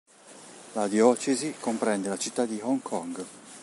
La diocesi comprende la città di Hong Kong.